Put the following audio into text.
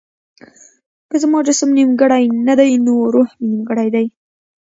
که زما جسم نيمګړی نه دی نو روح مې نيمګړی دی.